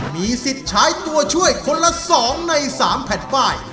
มีสิทธิ์ใช้ตัวช่วยคนละ๒ใน๓แผ่นป้าย